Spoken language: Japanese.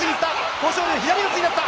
豊昇龍、左四つになった。